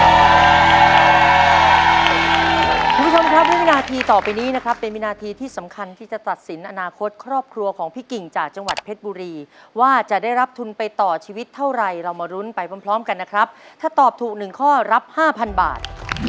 คุณผู้ชมครับวินาทีต่อไปนี้นะครับเป็นวินาทีที่สำคัญที่จะตัดสินอนาคตครอบครัวของพี่กิ่งจากจังหวัดเพชรบุรีว่าจะได้รับทุนไปต่อชีวิตเท่าไรเรามารุ้นไปพร้อมกันนะครับถ้าตอบถูกหนึ่งข้อรับ๕๐๐บาท